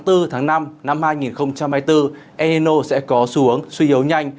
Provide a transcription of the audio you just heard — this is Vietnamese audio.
tháng bốn năm hai nghìn hai mươi bốn enino sẽ có xuống suy yếu nhanh